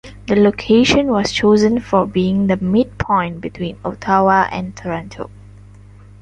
The location was chosen for being the midpoint between Ottawa and Toronto.